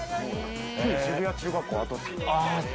「旧渋谷中学校跡地」。